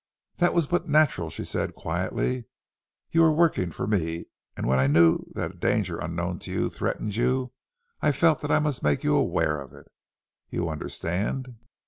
"That was but natural," she said quietly. "You were working for me, and when I knew that a danger unknown to you threatened you, I felt that I must make you aware of it. You understand?"